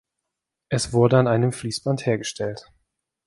Es wurde an einem Fließband hergestellt.